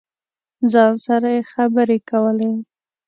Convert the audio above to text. ځان سره یې خبرې کولې.